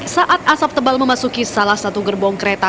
saat asap tebal memasuki salah satu gerbong kereta